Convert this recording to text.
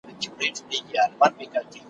د واشنګټن له لیدلوري پاکستان